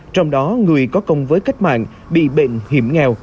trong đó người có công với cách mạng bị bệnh hiểm nghèo